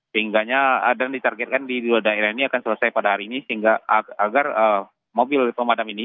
sehingganya dan ditargetkan di dua daerah ini akan selesai pada hari ini sehingga agar mobil pemadam ini